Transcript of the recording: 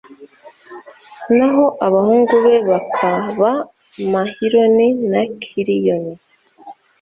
naho abahungu be bakaba mahiloni na kiliyoni